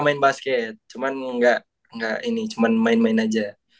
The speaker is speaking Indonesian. main basket cuman enggak enggak ini cuman main main aja